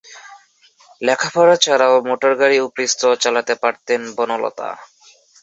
লেখাপড়া ছাড়াও মোটরগাড়ি ও পিস্তল চালাতে পারতেন বনলতা।